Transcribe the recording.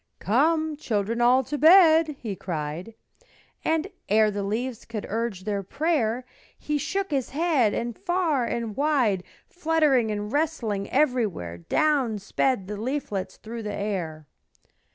"Come, children all, to bed," he cried; And ere the leaves could urge their prayer He shook his head, and far and wide, Fluttering and rustling everywhere, Down sped the leaflets through the air.